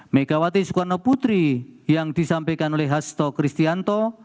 megawati soekarnoputri yang disampaikan oleh hasto kristianto